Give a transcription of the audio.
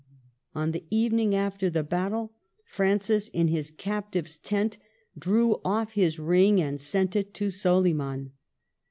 On the evening after the battle, Francis in his captive's tent drew off his ring and sent it to Soliman.